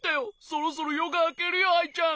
そろそろよがあけるよアイちゃん。